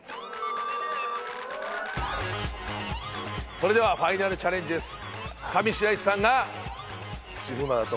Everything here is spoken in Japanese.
それではファイナルチャレンジです。